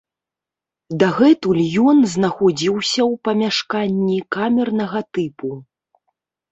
Дагэтуль ён знаходзіўся ў памяшканні камернага тыпу.